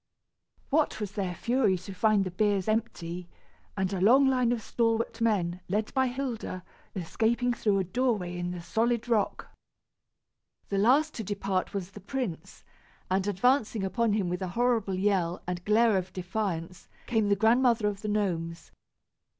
What was their fury to find the biers empty, and a long line of stalwart men, led by Hilda, escaping through a doorway in the solid rock! The last to depart was the prince, and advancing upon him with a horrible yell and glare of defiance came the Grandmother of the Gnomes.